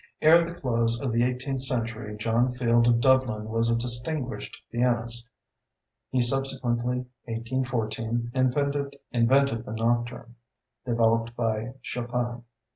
Ere the close of the eighteenth century John Field of Dublin was a distinguished pianist. He subsequently (1814) invented the nocturne, developed by Chopin.